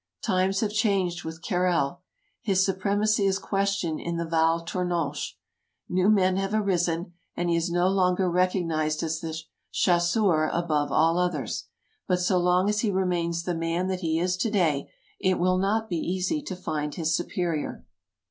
Times have changed with Carrel. His supremacy is questioned in the Val Tournanche ; new men have arisen, and he is no longer recognized as the chas seur above all others; but so long as he remains the man that he is to day it will not be easy to find his superior.